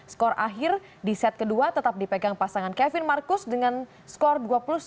skor akhir di set kedua tetap dipegang pasangan kevin marcus dengan skor dua puluh satu sembilan belas